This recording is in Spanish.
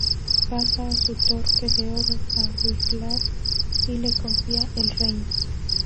Pasa su torque de oro a Wiglaf y le confía el reino.